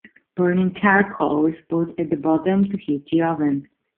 Burning charcoal is put at the bottom to heat the oven.